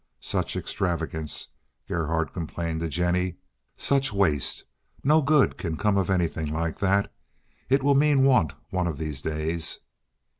"Such extravagance!" Gerhardt complained to Jennie. "Such waste! No good can come of anything like that, It will mean want one of these days."